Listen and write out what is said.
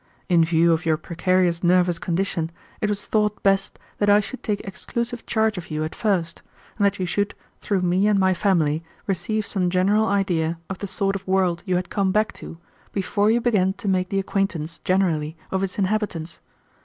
In view of your precarious nervous condition, it was thought best that I should take exclusive charge of you at first, and that you should, through me and my family, receive some general idea of the sort of world you had come back to before you began to make the acquaintance generally of its inhabitants.